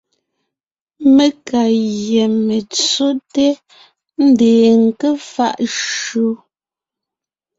Mé ka gÿá metsóte, ńdeen ńké faʼ shÿó.